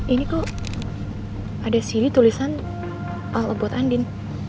ini kok ada sini tulisan all about andin